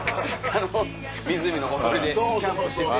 湖のほとりでキャンプしてて。